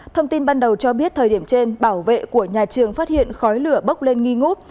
thông tin ban đầu cho biết thời điểm trên bảo vệ của nhà trường phát hiện khói lửa bốc lên nghi ngút